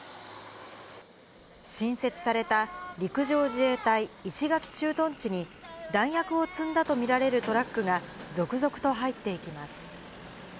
新設された陸上自衛隊石垣駐屯地に、弾薬を積んだと見られるトラックが、続々と入っていきます。